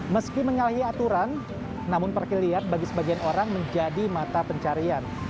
meski menyalahi aturan namun parkir liar bagi sebagian orang menjadi mata pencarian